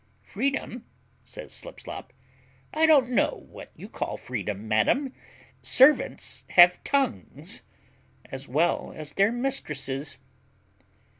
"Freedom!" says Slipslop; "I don't know what you call freedom, madam; servants have tongues as well as their mistresses."